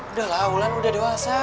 udah lah wulan udah dewasa